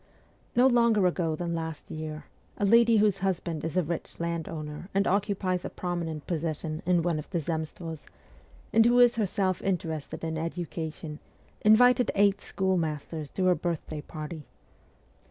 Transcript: No longer ago than last year, a lady whose husband is a rich landowner and occupies a prominent position in one of the Zemstvos, and who is herself interested in education, invited eight school masters to her birthday party.